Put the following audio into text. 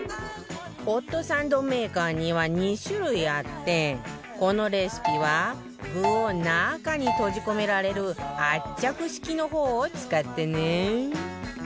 ホットサンドメーカーには２種類あってこのレシピは具を中に閉じ込められる圧着式の方を使ってね